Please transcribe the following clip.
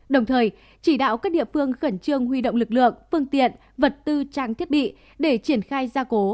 đồng thời chỉ đạo các địa phương khẩn trương huy động lực lượng phương tiện vật tư trang thiết bị để triển khai gia cố